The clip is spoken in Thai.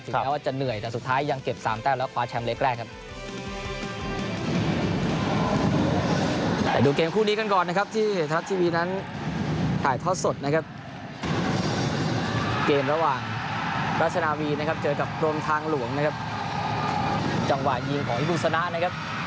แม้ว่าจะเหนื่อยแต่สุดท้ายยังเก็บ๓แต้มแล้วคว้าแชมป์เล็กแรกครับ